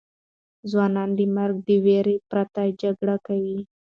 ځوانان د مرګ د ویرې پرته جګړه کوي.